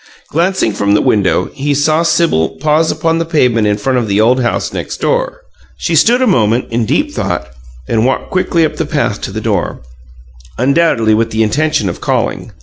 Glancing from the window, he saw Sibyl pause upon the pavement in front of the old house next door. She stood a moment, in deep thought, then walked quickly up the path to the door, undoubtedly with the intention of calling.